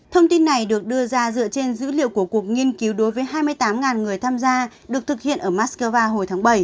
thông tin này được đưa ra dựa trên dữ liệu của cuộc nghiên cứu đối với hai mươi tám người tham gia được thực hiện ở moscow hồi tháng bảy